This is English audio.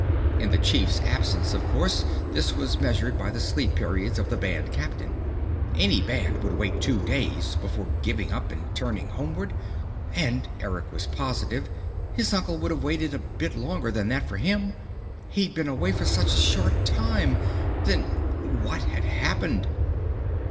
In the chief's absence, of course, this was measured by the sleep periods of the band captain. Any band would wait two days before giving up and turning homeward. And, Eric was positive, his uncle would have waited a bit longer than that for him. He'd been away for such a short time! Then what had happened?